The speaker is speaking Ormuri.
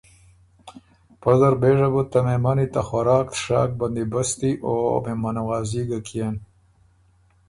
پۀ زر بېژه بُو ته مهمنی ته خوراک تشاک بندیبستی او مهمانوازي ګه کيېن۔